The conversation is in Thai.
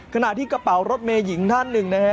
ขณะที่กระเป๋ารถเมย์หญิงท่านหนึ่งนะฮะ